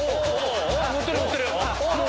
乗ってる乗ってる！